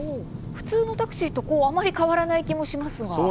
普通のタクシーとあまり変わらない気もしますが。